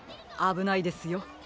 あぶないですよ。